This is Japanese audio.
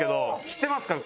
知ってますか？